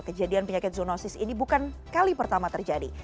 kejadian penyakit zoonosis ini bukan kali pertama terjadi